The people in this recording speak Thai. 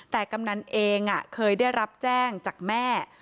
แต่กำนันเองเคยได้รับแจ้งจากแม่